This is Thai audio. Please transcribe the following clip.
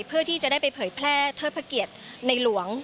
เพื่อที่จะได้ไปเผยแพร่เทิดพระเกียรติในหลวง